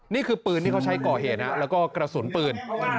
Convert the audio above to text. นี่คือปืนที่เขาใช้ก่อเหตุแล้วก็กระสุนปืน